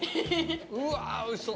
・うわおいしそう。